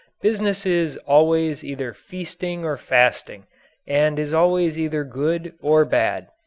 Business is always either feasting or fasting and is always either "good" or "bad."